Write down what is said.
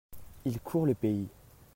Il court le pays.